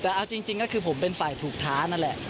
แต่เอาจริงก็คือผมเป็นฝ่ายถูกท้านั่นแหละ